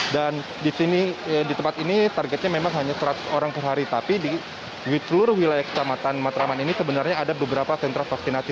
dan di tempat ini targetnya memang hanya seratus orang per hari tapi di seluruh wilayah kecamatan matraman ini sebenarnya ada beberapa sentra vaksinasi